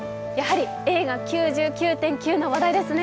映画「９９．９」の話題ですね。